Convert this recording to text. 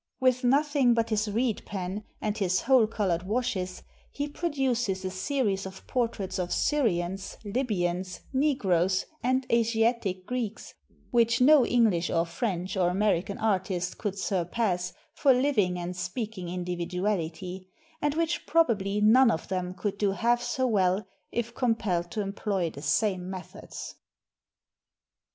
With nothing but his reed pen, and his whole colored washes, he pro duces a series of portraits of Syrians, Libyans, Negroes, and Asiatic Greeks which no English or French or American artist could surpass for hving and speaking indi\'iduality, and which probably none of them could do half so well if compelled to employ the same methods.